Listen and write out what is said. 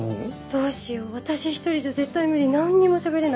どうしよう私一人じゃ絶対無理何にもしゃべれない。